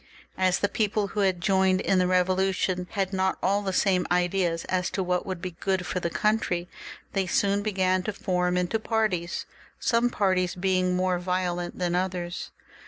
As the people who had joined in the Bevolution had not all the same ideas as to what would be good for the country, they soon began to form into parties, some parties being more violent than others.